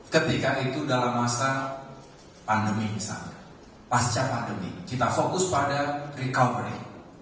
ketika itu dalam masa pandemi misalnya pasca pandemi kita fokus pada recovery